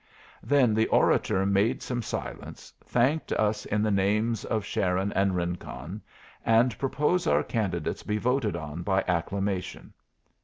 Then the orator made some silence, thanked us in the names of Sharon and Rincon, and proposed our candidates be voted on by acclamation.